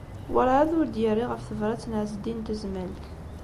Werɛad ur d-yerri ɣef tebṛat n Ɛezdin n Tezmalt.